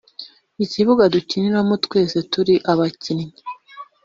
ikibuga dukiniramo twese turi abakinnyi